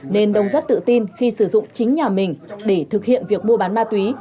nên đông rất tự tin khi sử dụng chính nhà mình để thực hiện việc mua bán ma túy